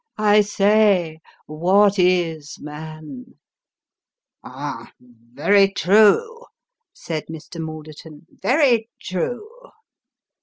" I say, what is man ?"" Ah ! very true," said Mr Malderton ;" very true."